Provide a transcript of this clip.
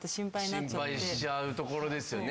心配しちゃうところですよね。